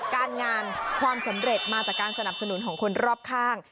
การงานความสำเร็จมาจากการสนับสนุนของคนรอบข้าง